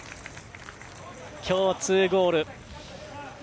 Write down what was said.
今日２ゴール。